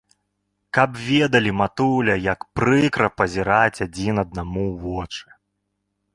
Каб ведалі, матуля, як прыкра пазіраць адзін аднаму ў вочы!